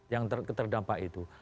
yang terdampak itu